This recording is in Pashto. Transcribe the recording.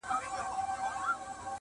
بیا مُلا سو بیا هغه د سیند څپې سوې،